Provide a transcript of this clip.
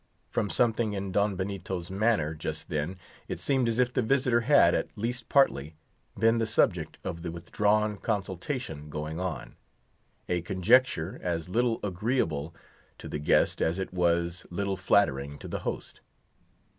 From something in Don Benito's manner just then, it seemed as if the visitor had, at least partly, been the subject of the withdrawn consultation going on—a conjecture as little agreeable to the guest as it was little flattering to the host.